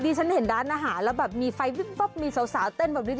ฉันเห็นร้านอาหารแล้วแบบมีไฟวิบวับมีสาวเต้นแบบนี้